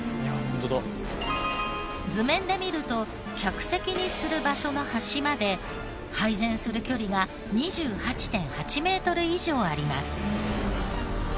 図面で見ると客席にする場所の端まで配膳する距離が２８．８メートル以上あります。